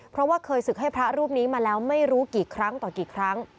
เพราะว่าเคยศึกให้พระรูปนี้มาแล้วไม่รู้กี่ครั้งต่อกี่ครั้ง